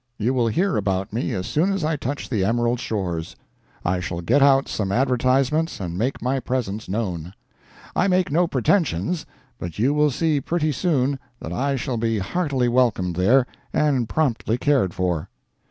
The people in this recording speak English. You will hear about me as soon as I touch the Emerald shores. I shall get out some advertisements and make my presence known. I make no pretensions, but you will see pretty soon that I shall be heartily welcomed there and promptly cared for."